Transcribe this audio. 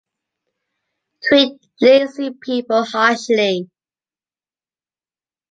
Treat lazy people harshly.